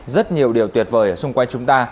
rất nhiều điều tuyệt vời ở xung quanh chúng ta